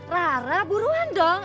rara buruan dong